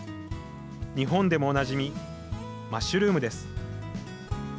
日本でもおなじみマッシュルームです。